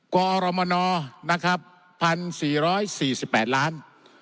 กวรมนตรวรรษระนะครับ๑๔๔๘ล้าน